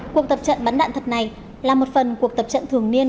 cuộc tập trận bắn đạn thật này là một phần cuộc tập trận thường niên